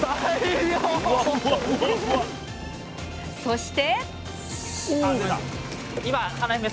そして！